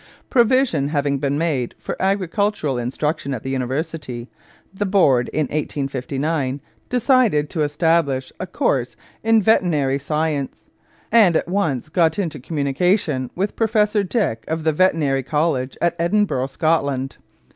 Provision having been made for agricultural instruction at the university, the board in 1859 decided to establish a course in veterinary science, and at once got into communication with Professor Dick of the Veterinary College at Edinburgh, Scotland.